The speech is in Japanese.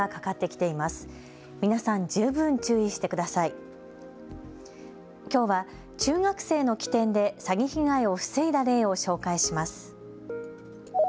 きょうは中学生の機転で詐欺被害を防いだ例を紹介します。